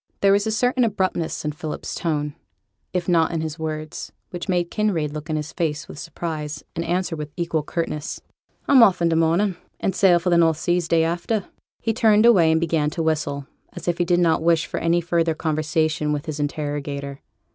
There was a certain abruptness in Philip's tone, if not in his words, which made Kinraid look in his face with surprise, and answer with equal curtness. 'I'm off i' th' morning; and sail for the north seas day after.' He turned away, and began to whistle, as if he did not wish for any further conversation with his interrogator.